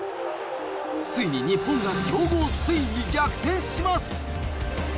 ついに日本が強豪スペインに逆転します。